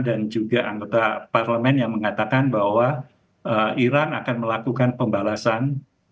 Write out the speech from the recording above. dan juga anggota parlemen yang mengatakan bahwa iran akan melakukan pembalasan